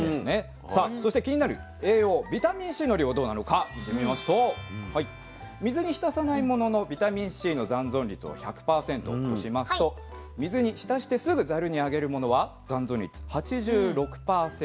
さあそして気になる栄養ビタミンＣの量どうなのか見てみますと水に浸さないもののビタミンＣの残存率を１００％としますと水に浸してすぐざるにあげるものは残存率８６％。